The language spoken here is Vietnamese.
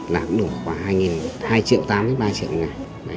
là cũng đủ khoảng hai triệu ba triệu một ngày